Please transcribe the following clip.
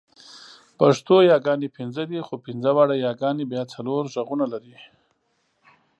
پښتو یاګانې پنځه دي، خو پنځه واړه یاګانې بیا څلور غږونه لري.